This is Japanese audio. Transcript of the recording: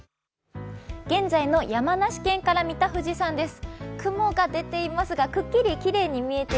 現在の山梨県から見た富士山です。